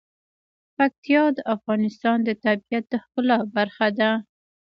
پکتیا د افغانستان د طبیعت د ښکلا برخه ده.